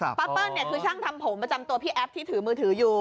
ป้าเปิ้ลเนี่ยคือช่างทำผมประจำตัวพี่แอฟที่ถือมือถืออยู่